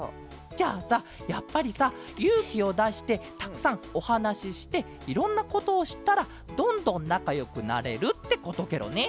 じゃあさやっぱりさゆうきをだしてたくさんおはなししていろんなことをしったらどんどんなかよくなれるってことケロね。